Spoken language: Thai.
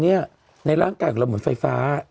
ในร่างกายของเราเหมือนไฟฟ้า